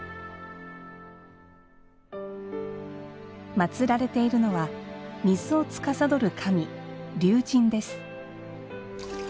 祭られているのは水を司る神、龍神です。